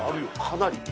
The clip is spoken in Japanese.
かなり。